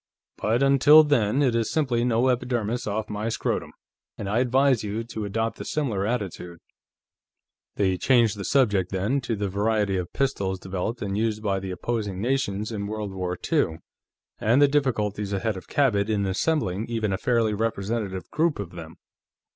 But until then, it is simply no epidermis off my scrotum. And I advise you to adopt a similar attitude." They changed the subject, then, to the variety of pistols developed and used by the opposing nations in World War II, and the difficulties ahead of Cabot in assembling even a fairly representative group of them.